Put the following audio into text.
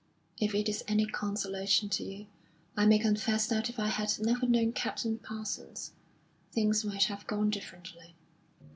If it is any consolation to you, I may confess that if I had never known Captain Parsons, things might have gone differently."